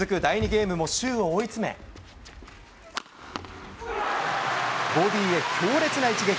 ゲームも周を追い詰め、ボディーへ強烈な一撃。